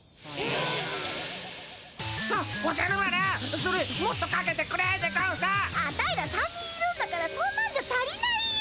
アタイら３人いるんだからそんなんじゃ足りないよ。